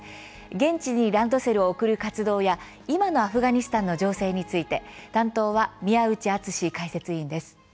現地にランドセルを送る活動や今のアフガニスタンの情勢について担当は宮内篤志解説委員です。